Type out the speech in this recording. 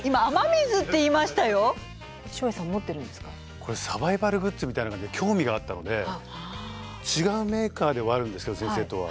これサバイバルグッズみたいな感じで興味があったので違うメーカーではあるんですけど先生とは。